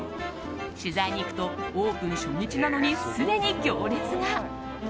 取材に行くとオープン初日なのにすでに行列が。